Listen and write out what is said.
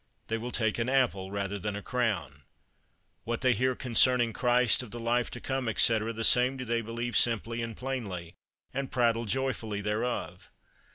They will take an apple rather than a crown; what they hear concerning Christ, of the life to come, etc., the same do they believe simply and plainly, and prattle joyfully thereof.